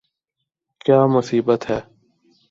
!کیا مصیبت ہے